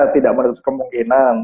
tidak menurut kemungkinan